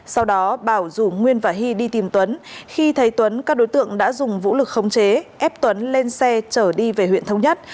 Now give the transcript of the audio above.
sau đó bảo rủ nguyên và hy đi tìm tuấn khi thấy tuấn các đối tượng đã dùng vũ lực khống chế ép tuấn lên xe chở đi về huyện thống nhất